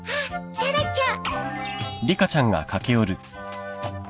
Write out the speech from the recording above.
タラちゃん。